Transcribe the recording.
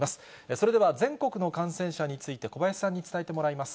それでは全国の感染者について、小林さんに伝えてもらいます。